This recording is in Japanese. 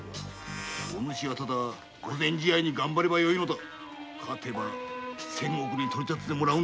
お主はただ御前試合に頑張ればよいのだ勝てば千石に取り立てだ。